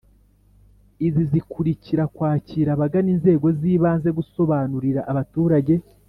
Izi zikurikira kwakira abagana inzego z ibanze gusobanurira abaturage